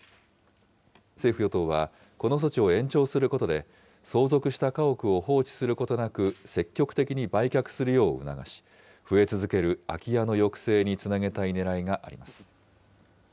政府・与党は、この措置を延長することで、相続した家屋を放置することなく、積極的に売却するよう促し、増え続ける空き家の抑制につなげたいねらいがあります。